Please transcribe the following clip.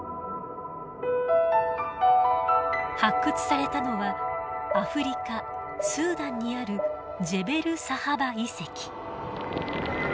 発掘されたのはアフリカスーダンにあるジェベルサハバ遺跡。